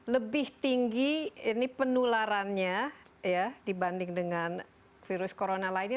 lebih tinggi ini penularannya ya dibanding dengan virus corona lainnya